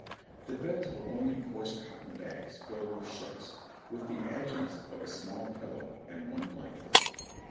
The beds were only coarse cotton bags filled with shucks, with the adjuncts of a small pillow and one blanket.